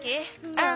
うん。